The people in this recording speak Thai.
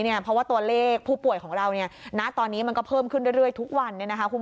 เพราะว่าตัวเลขผู้ป่วยของเราณตอนนี้มันก็เพิ่มขึ้นเรื่อยทุกวัน